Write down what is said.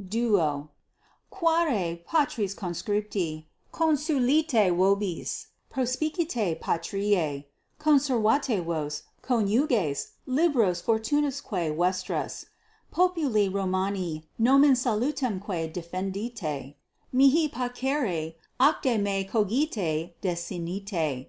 =2.= Quare, patres conscripti, 3 consulite vobis, prospicite patriae, conservate vos, coniuges, liberos fortunasque vestras, populi Romani nomen salutemque defendite: mihi parcere ac de me cogitare desinite.